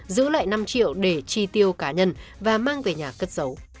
giữ lại năm triệu để tri tiêu cá nhân và mang về nhà cất giấu